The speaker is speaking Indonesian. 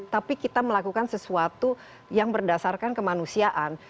tapi kita melakukan sesuatu yang berdasarkan kemanusiaan